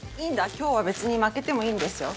今日は別に負けてもいいんですよ。